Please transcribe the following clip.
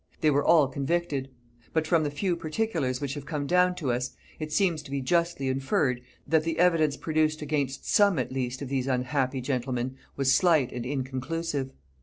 They were all convicted; but from the few particulars which have come down to us, it seems to be justly inferred, that the evidence produced against some at least of these unhappy gentlemen, was slight and inconclusive.